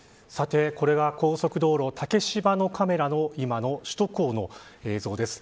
これが高速道路、竹芝のカメラの今の首都高の映像です。